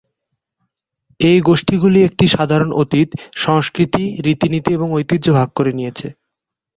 এই গোষ্ঠীগুলি একটি সাধারণ অতীত, সংস্কৃতি, রীতিনীতি এবং ঐতিহ্য ভাগ করে নিয়েছে।